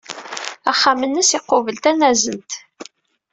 Axxam-nnes iqubel-d tanazent.